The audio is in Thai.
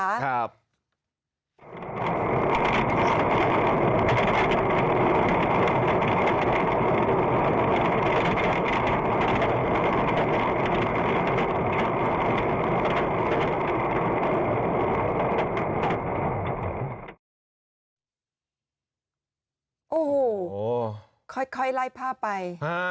โอ้โหค่อยไล่ภาพไป